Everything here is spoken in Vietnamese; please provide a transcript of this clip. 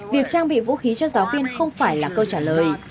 việc trang bị vũ khí cho giáo viên không phải là câu trả lời